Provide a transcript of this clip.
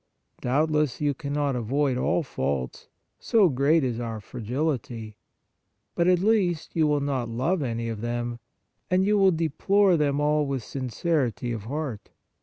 Doubtless you cannot avoid all faults, so great is our fragility ; but at least you will not love any of them, and you will deplore them all with sincerity of heart.